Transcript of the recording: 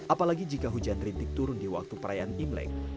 apalagi jika hujan rintik turun di waktu perayaan imlek